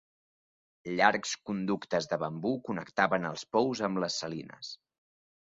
Llargs conductes de bambú connectaven els pous amb les salines.